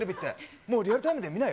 もうリアルタイムで見ないよ。